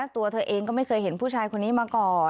ตัวเธอเองก็ไม่เคยเห็นผู้ชายคนนี้มาก่อน